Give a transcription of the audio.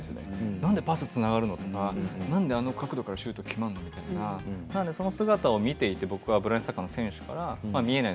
なんでパスがつながるのとかなんであの角度からシュートが決まるのとかその姿を見ていて僕はブラインドサッカーの選手から「見えない。